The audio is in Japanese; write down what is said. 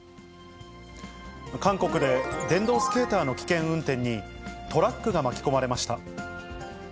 韓国で電動スケーターの危険運転に、トラックが巻き込まれました。